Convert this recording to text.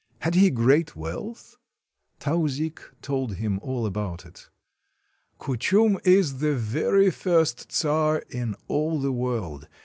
Had he great wealth?" Tauzik told him all about it. "Kuchum is the very first czar in all the world.